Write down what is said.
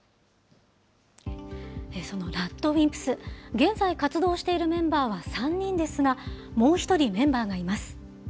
そのＲＡＤＷＩＭＰＳ、現在、活動しているメンバーは３人ですが、もう１人メンバーがいます。